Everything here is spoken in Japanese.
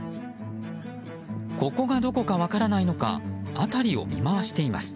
ここがどこか分からないのか辺りを見回しています。